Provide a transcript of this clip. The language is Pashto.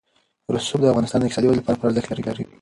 رسوب د افغانستان د اقتصادي ودې لپاره پوره ارزښت لري.